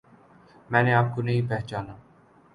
میں نے آپ کو نہیں پہچانا